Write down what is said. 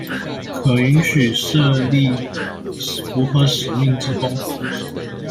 可允許設立符合使命之公司